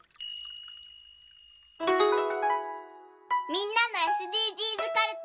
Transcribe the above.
みんなのＳＤＧｓかるた。